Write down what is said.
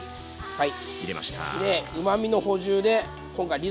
はい。